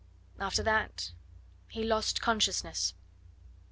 After that he lost consciousness.